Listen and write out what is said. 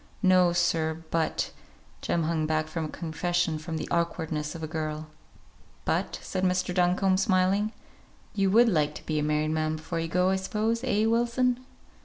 "No, sir, but " Jem hung back from a confession with the awkwardness of a girl. "But " said Mr. Duncombe, smiling, "you would like to be a married man before you go, I suppose; eh, Wilson?"